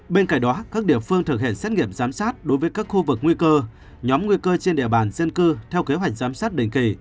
bên cạnh đó các địa phương thực hiện xét nghiệm giám sát đối với các khu vực nguy cơ nhóm nguy cơ trên địa bàn dân cư theo kế hoạch giám sát định kỳ